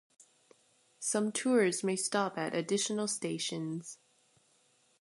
Some tours may stop at additional stations.